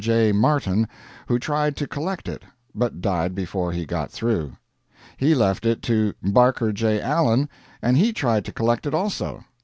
J. Martin, who tried to collect it, but died before he got through. He left it to Barker J. Allen, and he tried to collect it also.